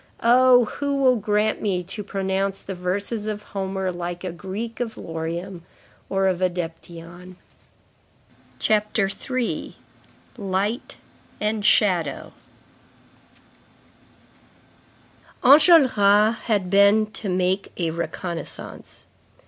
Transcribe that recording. Oh! Who will grant me to pronounce the verses of Homer like a Greek of Laurium or of Edapteon?" CHAPTER III—LIGHT AND SHADOW Enjolras had been to make a reconnaissance.